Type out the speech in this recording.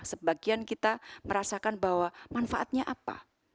sebagian kita merasakan bahwa manfaatnya apa